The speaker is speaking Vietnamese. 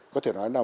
có thể nói là